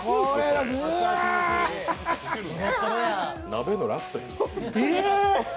鍋のラストやん。